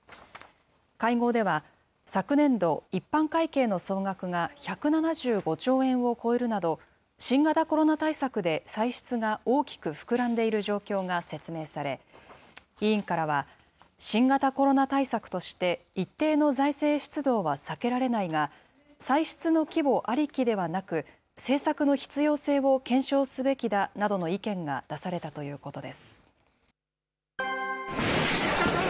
会合では、昨年度、一般会計の総額が１７５兆円を超えるなど、新型コロナ対策で歳出が大きく膨らんでいる状況が説明され、委員からは、新型コロナ対策として一定の財政出動は避けられないが、歳出の規模ありきではなく、政策の必要性を検証すべきだなどの意見が出されたということです。